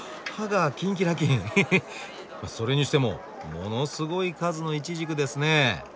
それにしてもものすごい数のイチジクですね。